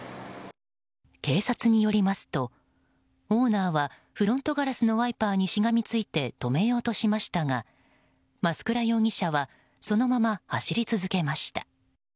警察によりますとオーナーはフロントガラスのワイパーにしがみついて止めようとしましたが増倉容疑者はそのまま走り続けました。